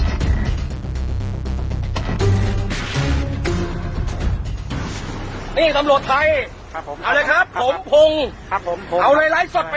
นี่ตำรวจไทยครับผมเอาเลยครับผมพงศ์ครับผมพงศ์เอา